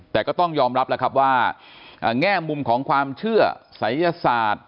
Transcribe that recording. แต่ก็ต้องยอมรับแล้วครับว่าแง่มุมของความเชื่อศัยยศาสตร์